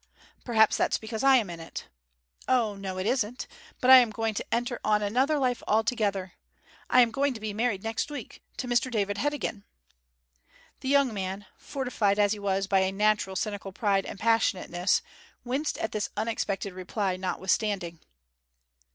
'Perhaps that's because I am in it.' 'O no, it isn't. But I am going to enter on another life altogether. I am going to be married next week to Mr David Heddegan.' The young man fortified as he was by a natural cynical pride and passionateness winced at this unexpected reply, notwithstanding.